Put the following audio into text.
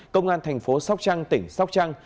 công an thành phố sóc trăng tỉnh sóc trăng